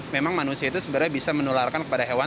memang manusia itu sebenarnya bisa menularkan kepada hewan